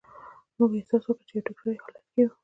موږ احساس وکړ چې په یو تکراري حالت کې یو